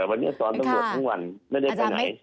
แต่วันนี้สอนตำรวจทั้งวันไม่ได้ไปไหน